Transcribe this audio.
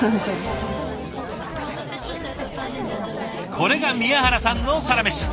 これが宮原さんのサラメシ。